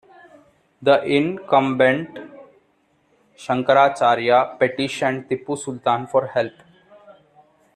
The incumbent "Shankaracharya" petitioned Tipu Sultan for help.